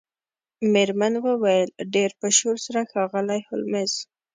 میرمن وویل ډیر په شور سره ښاغلی هولمز